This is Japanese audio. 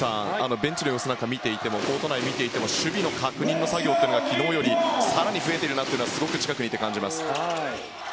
ベンチの様子やコート内を見ていても守備の確認の作業が昨日より更に増えているなとすごく近くにいて感じます。